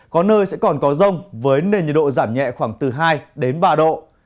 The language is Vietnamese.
có nơi sẽ còn có rông với nền nhiệt độ giảm nhẹ khoảng từ hai đến ba độ